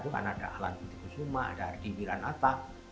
karena ada alan putih di sumah ada ardi wiranata